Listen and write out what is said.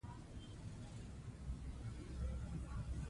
د ډېر فکر له کبله خلک اندېښمن کېږي.